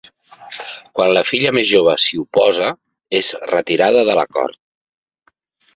Quan la filla més jove s'hi oposa, és retirada de l'acord.